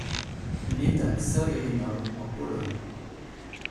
Il est à Ksawerynów, en Pologne.